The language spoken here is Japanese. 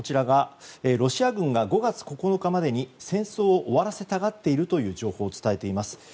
ロシア軍が５月９日までに戦争を終わらせたがっているという情報を伝えています。